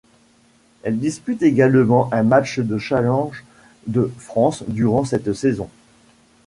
Elle dispute également un match de Challenge de France durant cette saison.